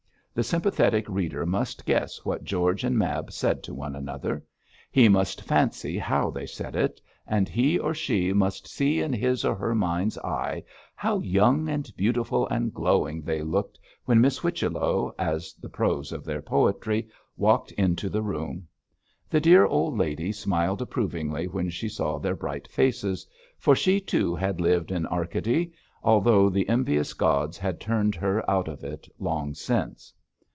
The sympathetic reader must guess what George and Mab said to one another. He must fancy how they said it, and he or she must see in his or her mind's eye how young and beautiful and glowing they looked when Miss Whichello, as the prose of their poetry, walked into the room. The dear old lady smiled approvingly when she saw their bright faces, for she too had lived in Arcady, although the envious gods had turned her out of it long since.